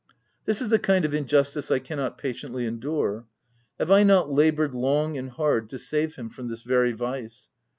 This is a kind of injustice I cannot patiently endure. Have I not laboured long and hard to save him from this very vice